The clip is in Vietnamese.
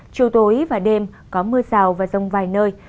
chiều tối và đêm có mưa rào và rông vài nơi